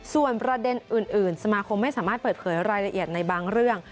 ส่วนประเด็นอื่นสมาคมไม่สามารถเปิดเผยรายละเอียดในบางเรื่อง